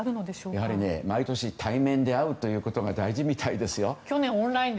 やはり毎年、対面で会うということが大事みたいですよ。